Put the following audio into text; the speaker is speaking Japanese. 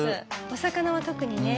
お魚は特にね。